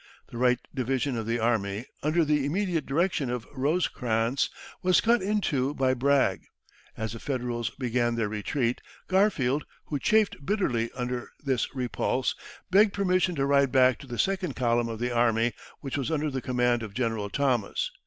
The right division of the army, under the immediate direction of Rosecrans, was cut in two by Bragg. As the Federals began their retreat, Garfield, who chafed bitterly under this repulse, begged permission to ride back to the second column of the army, which was under the command of General Thomas.